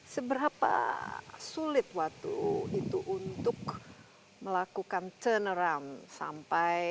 seberapa sulit waktu itu untuk melakukan tunarum sampai